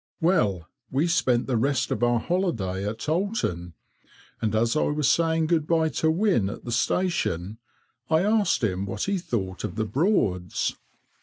Well, we spent the rest of our holiday at Oulton, and as I was saying good bye to Wynne at the station, I asked him what he thought of the Broads.